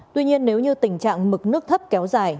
tuy nhiên nếu như tình trạng mực nước thấp kéo dài